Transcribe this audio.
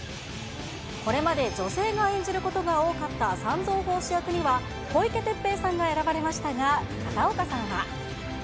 これまで女性が演じることが多かった三蔵法師役には、小池徹平さんが選ばれましたが、片岡さんは。